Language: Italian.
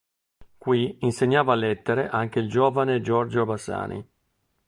Qui insegnava lettere anche il giovane Giorgio Bassani.